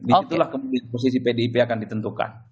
disitulah kemudian posisi pdip akan ditentukan